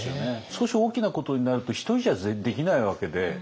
少し大きなことになると一人じゃできないわけで。